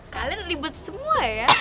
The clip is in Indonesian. kalian ribet semua ya